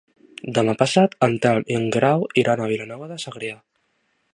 Demà passat en Telm i en Guerau iran a Vilanova de Segrià.